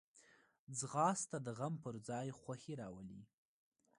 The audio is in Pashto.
ځغاسته د غم پر ځای خوښي راولي